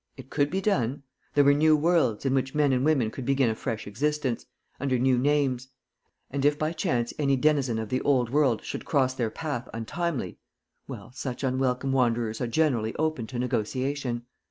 It could be done. There were new worlds, in which men and women could begin a fresh existence, under new names; and if by chance any denizen of the old world should cross their path untimely well, such unwelcome wanderers are generally open to negotiation.